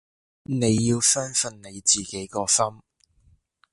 你要相信你自己個心